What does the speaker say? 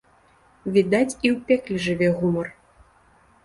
Відаць, і ў пекле жыве гумар.